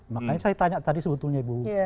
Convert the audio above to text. makanya saya tanya tadi sebetulnya ibu